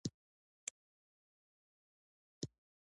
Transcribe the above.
افغانستان د ځنګلي حاصلاتو له پلوه ځانته ځانګړې ځانګړتیاوې لري.